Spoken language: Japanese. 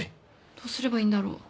どうすればいいんだろ。